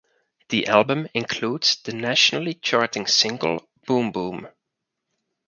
The album includes the nationally charting single "Boom Boom".